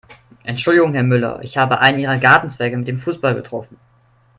Entschuldigung Herr Müller, ich habe einen Ihrer Gartenzwerge mit dem Fußball getroffen.